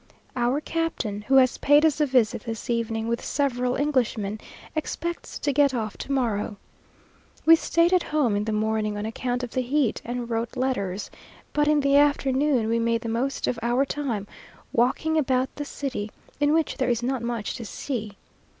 Our captain, who has paid us a visit this evening, with several Englishmen, expects to get off to morrow. We staid at home in the morning on account of the heat, and wrote letters, but in the afternoon we made the most of our time, walking about the city, in which there is not much to see.